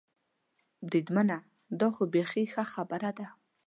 بریدمنه، دا خو بېخي ښه خبره ده.